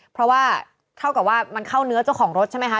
เพราะว่าเท่ากับว่ามันเข้าเนื้อเจ้าของรถใช่ไหมคะ